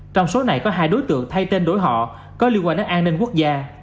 trong số này có hai đối tượng thay tên đổi họ có liên quan đến an ninh quốc gia